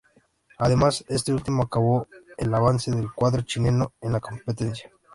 Además, este último acabó el avance del cuadro chileno en la competencia.